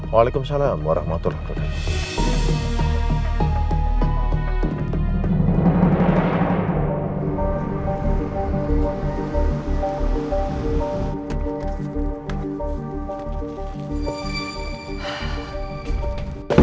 waalaikumsalam warahmatullahi wabarakatuh